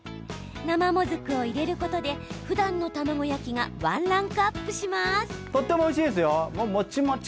生もずくを入れることでふだんの卵焼きがワンランクアップします。